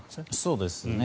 そうですね。